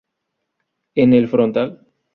En el frontal.